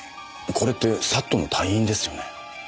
これってＳＡＴの隊員ですよね。